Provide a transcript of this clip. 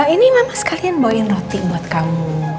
ini mama sekalian bawain roti buat kamu